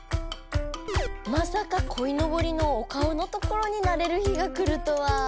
まさかこいのぼりのお顔のところになれる日が来るとは。